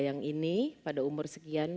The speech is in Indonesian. yang ini pada umur sekian